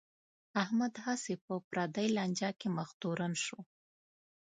احمد هسې په پردی لانجه کې مخ تورن شو.